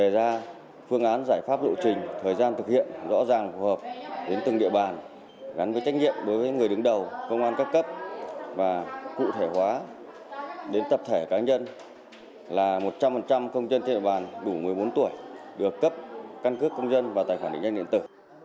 gắn với trách nhiệm đối với người đứng đầu công an cấp cấp và cụ thể hóa đến tập thể cá nhân là một trăm linh công dân thiện bàn đủ một mươi bốn tuổi được cấp căn cước công dân và tài khoản định danh điện tử